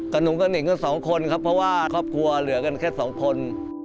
กระหนุงกันอีกด้วยสองคนครับเพราะว่าครอบครัวเหลือกันแค่สองคน